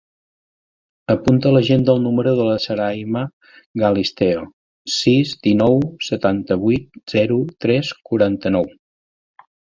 Apunta a l'agenda el número de la Sarayma Galisteo: sis, dinou, setanta-vuit, zero, tres, quaranta-nou.